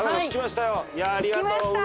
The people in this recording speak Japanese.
着きました！